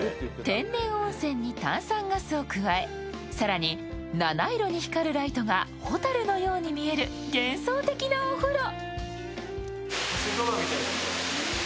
天然温泉に炭酸ガスを加え更に七色に光るライトが蛍のように見える幻想的なお風呂。